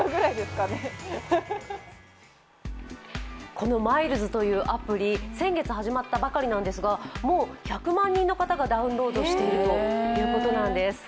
このＭｉｌｅｓというアプリ、先月始まったばかりなんですがもう１００万人の方がダウンロードしているということなんです。